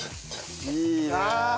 いいな。